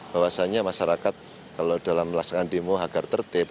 bahwasannya masyarakat kalau dalam melaksanakan demo agar tertib